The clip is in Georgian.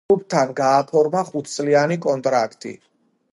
კლუბთან გააფორმა ხუთწლიანი კონტრაქტი.